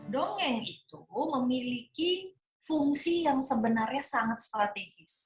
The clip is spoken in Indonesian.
dongeng itu memiliki fungsi yang sebenarnya sangat strategis